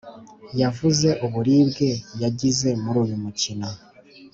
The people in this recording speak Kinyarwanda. yavuze uburibwe yagize muri uyu mukino